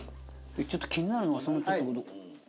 ちょっと気になるのがそのちょっと。